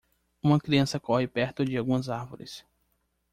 Uma criança corre perto de algumas árvores.